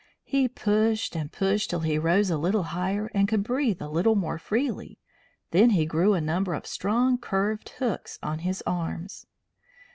He pushed and pushed till he rose a little higher and could breathe a little more freely; then he grew a number of strong curved hooks on his arms.